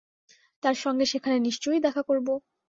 তার সঙ্গে সেখানে নিশ্চয়ই দেখা করব।